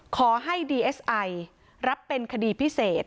ขอให้ดีเอสไอรับเป็นคดีพิเศษ